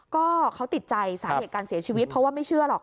ก็เขาติดใจสาเหตุการเสียชีวิตเพราะว่าไม่เชื่อหรอก